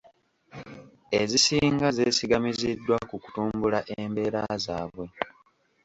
Ezisinga zeesigamiddwa ku kutumbula embeera zaabwe .